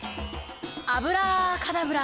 アブラカダブラ。